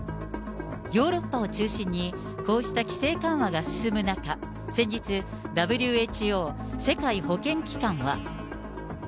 ヨーロッパを中心に、こうした規制緩和が進む中、先日、ＷＨＯ・世界保健機関は。